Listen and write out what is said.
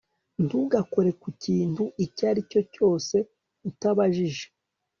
Ntugakore ku kintu icyo ari cyo cyose utabajije